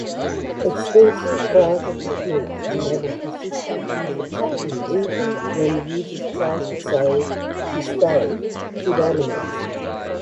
Extensive browser techniques enable persistent user tracking even when users try to stay pseudonymous.